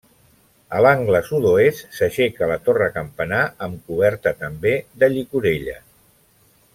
A l'angle sud-oest s'aixeca la torre-campanar amb coberta, també, de llicorella.